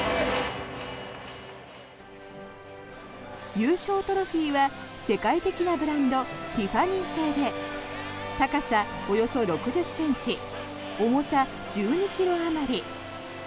優勝トロフィーは世界的なブランドティファニー製で高さおよそ６０ｃｍ重さ１２ｋｇあまり。